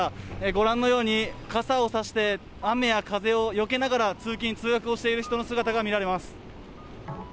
ご覧のように、傘を差して、雨や風をよけながら、通勤・通学をしている人の姿が見られます。